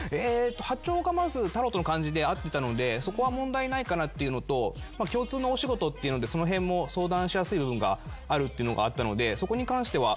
波長がまずタロットの感じで合ってたのでそこは問題ないかなっていうのと共通のお仕事っていうのでその辺も相談しやすい部分があるっていうのがあったのでそこに関しては。